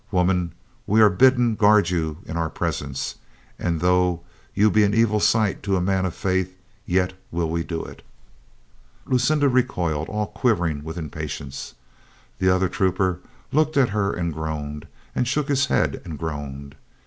"Woman, we are bidden guard you in our presence, and though you be an evil sight to a man of faith, yet will we do it." Lucinda recoiled all quivering with impatience. The other trooper looked at her and groaned, and shook his head and groaned.